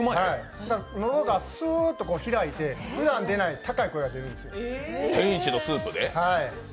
喉がスーッと開いてふだん出ない高い声が出るんです。